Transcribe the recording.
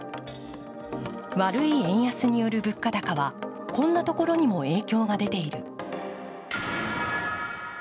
悪い円安による物価高はこんなところにも影響が出ている。